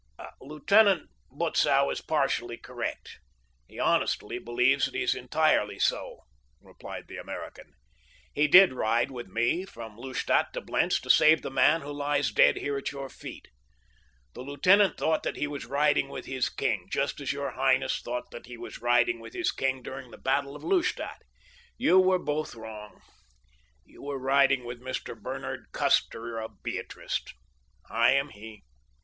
"Lieutenant Butzow is partially correct—he honestly believes that he is entirely so," replied the American. "He did ride with me from Lustadt to Blentz to save the man who lies dead here at your feet. The lieutenant thought that he was riding with his king, just as your highness thought that he was riding with his king during the battle of Lustadt. You were both wrong—you were riding with Mr. Bernard Custer, of Beatrice. I am he.